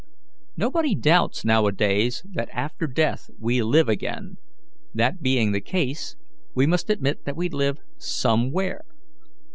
Nobody doubts nowadays that after death we live again; that being the case, we must admit that we live somewhere.